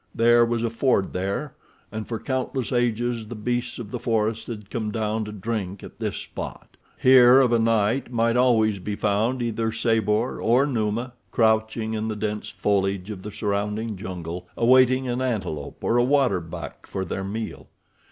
There was a ford there, and for countless ages the beasts of the forest had come down to drink at this spot. Here of a night might always be found either Sabor or Numa crouching in the dense foliage of the surrounding jungle awaiting an antelope or a water buck for their meal.